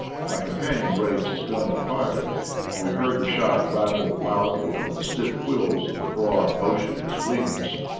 My oonfcpanion raised his gun and fired, and we heard the phot rattle loudly on the stiff quills of the broad motionless wings.